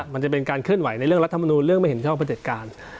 มันจะเป็นการเคลื่อนไหวในเรื่องรัฐมนูลเรื่องไม่เห็นชอบประเด็จการ